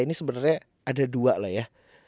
ini sebenarnya ada dua lah ya